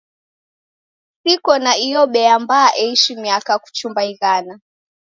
Siko na iyo bea mbaa eishi miaka kuchumba ighana.